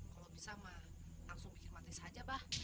kalau bisa mak langsung bikin mati saja pak